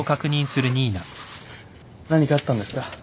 何かあったんですか？